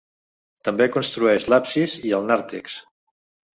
També construeix l’absis i el nàrtex.